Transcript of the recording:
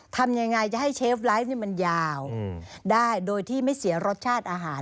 ทำยังไงจะให้เชฟไลฟ์มันยาวได้โดยที่ไม่เสียรสชาติอาหาร